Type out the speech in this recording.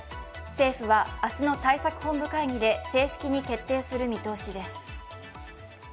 政府は、明日の対策本部会議で正式に決定する見通しです。